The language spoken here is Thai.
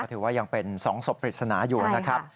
ถือว่ายังเป็น๒ศพปริศนาอยู่นะครับ